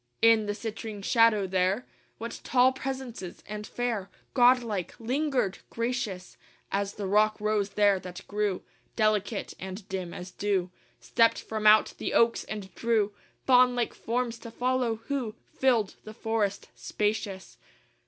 V In the citrine shadow there What tall presences and fair, Godlike, lingered! gracious As the rock rose there that grew: Delicate and dim as dew Stepped from out the oaks, and drew Faun like forms to follow, who Filled the forest spacious!